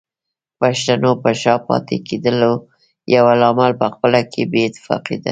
پښتنو په شا پاتې کېدلو يو لامل پخپله کې بې اتفاقي ده